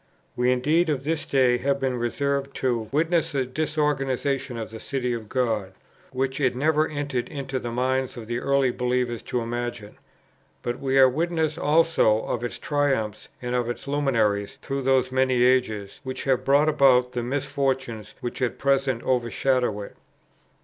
We indeed of this day have been reserved to witness a disorganization of the City of God, which it never entered into the minds of the early believers to imagine: but we are witnesses also of its triumphs and of its luminaries through those many ages which have brought about the misfortunes which at present overshadow it.